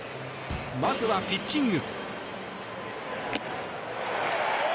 まずはピッチング。